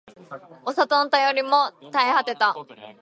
お里の便りも絶え果てた